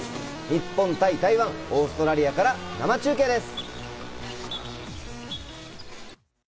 日本対台湾、オーストラリアから生中継です。